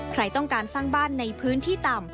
ใครต้องการสร้างบ้านในพื้นที่ต่ำ